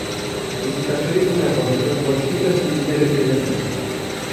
Vizitatorii dvs. vor ști că sunt bine reprezentați.